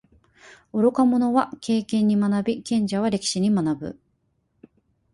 愚か者は経験に学び，賢者は歴史に学ぶ。